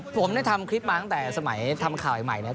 ผมได้ทำคลิปมาตั้งแต่สมัยทำข่าวใหม่นะครับ